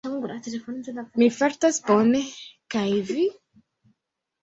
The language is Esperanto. Mi fartas bone, kaj vi?